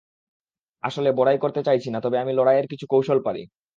আসলে, বড়াই করতে চাইছি না, তবে আমি লড়াইয়ের কিছু কৌশল পারি।